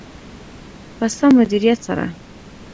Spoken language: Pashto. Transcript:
په سم مدیریت سره.